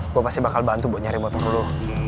gue pasti bakal bantu buat nyari motor lo